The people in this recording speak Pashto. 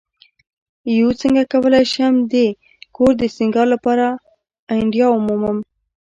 uڅنګه کولی شم د کور د سینګار لپاره آئیډیا ومومم